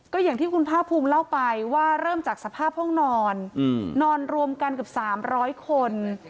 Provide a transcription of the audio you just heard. ก็อย่างที่คุณภาคภูมิเล่าไปว่าเริ่มจากสภาพห้องนอนนอนรวมกันเกือบ๓๐๐คน